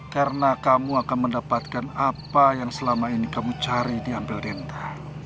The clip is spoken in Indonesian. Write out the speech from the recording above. karena kamu akan mendapatkan apa yang selama ini kamu cari di ampel denta